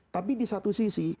tapi di satu sisi